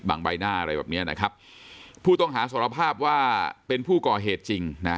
ใบหน้าอะไรแบบเนี้ยนะครับผู้ต้องหาสารภาพว่าเป็นผู้ก่อเหตุจริงนะ